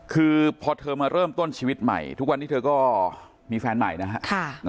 คือพอเธอมาเริ่มต้นชีวิตใหม่ทุกวันนี้เธอก็มีแฟนใหม่นะฮะ